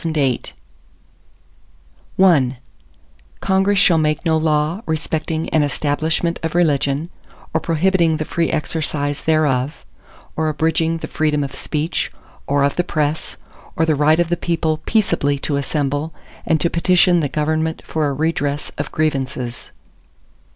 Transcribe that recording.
ARTICLE I Congress shall make no law respecting an establishment of religion, or prohibiting the free exercise thereof; or abridging the freedom of speech, or of the press; or the right of the people peaceably to assemble, and to petition the government for a redress of grievances.